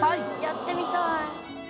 やってみたい。